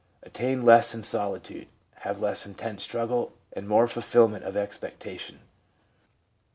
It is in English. Attain more in solitude ; have less intense solitude. struggle, and more fulfil ment of expectation.'